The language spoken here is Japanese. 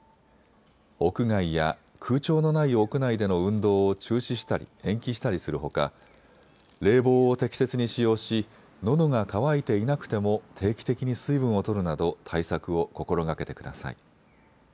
屋外や空調のない屋内での運動を中止したり延期したりするほか冷房を適切に使用しのどが渇いていなくても定期的に水分をとるなど対策を心がけてください。